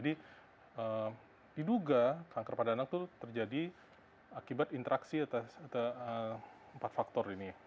dan juga kanker pada anak itu terjadi akibat interaksi atas empat faktor ini